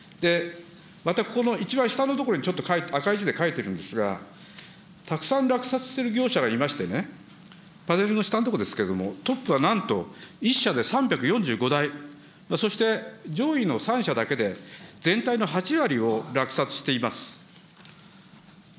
また、この一番下のところにちょっと赤い字で書いてるんですが、たくさん落札してる業者がいましてね、パネルの下のところですけれども、トップはなんと、１社で３４５台、そして上位の３社だけで、全体の８割を落札しています。